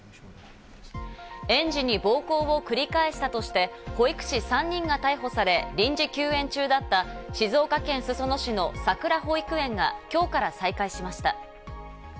園児に暴行を繰り返したとして、保育士３人が逮捕され臨時休園中だった静岡県裾野市のさくら保育園が今日から再開しました。